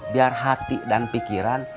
biar hati dan pikiran